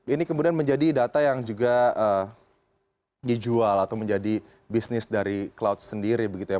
ini kemudian menjadi data yang juga dijual atau menjadi bisnis dari cloud sendiri begitu ya